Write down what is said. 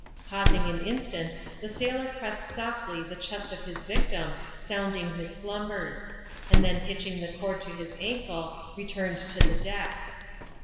Pausing an instant, the sailor pressed softly the chest of his victim, sounding his slumbers ; and then hitching the cord to his ankle, returned to the deck.